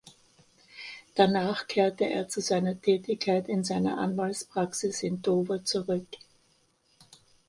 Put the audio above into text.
Danach kehrte er zu seiner Tätigkeit in seiner Anwaltspraxis in Dover zurück.